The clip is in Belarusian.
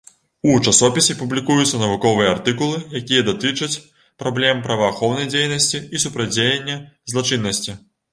У часопісе публікуюцца навуковыя артыкулы, якія датычаць праблем праваахоўнай дзейнасці і супрацьдзеяння злачыннасці.